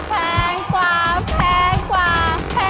แพงกว่าแพงกว่าแพง